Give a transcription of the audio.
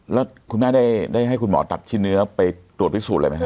แล้วคุณแม่ได้ให้คุณหมอตัดชิ้นเนื้อไปตรวจพิสูจนอะไรไหมฮ